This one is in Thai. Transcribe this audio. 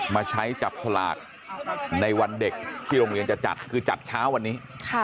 มาใช้จับสลากในวันเด็กที่โรงเรียนจะจัดคือจัดเช้าวันนี้